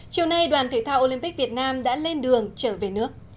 chiều nay đoàn thể thao olympic việt nam đã lên đường trở về nước